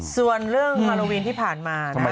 ส่วนเรื่องฮาโลวีนที่ผ่านมานะ